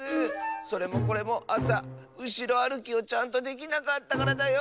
それもこれもあさうしろあるきをちゃんとできなかったからだよ。